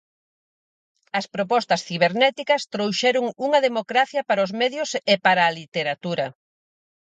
As propostas cibernéticas trouxeron unha democracia para os medios e para a literatura.